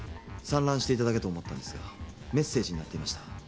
散乱していただけと思ったんですがメッセージになっていました。